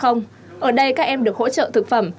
ở đây các em được hỗ trợ thực phẩm